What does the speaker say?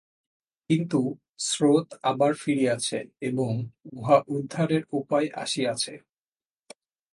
কিন্তু স্রোত আবার ফিরিয়াছে এবং উহার উদ্ধারের উপায় আসিয়াছে।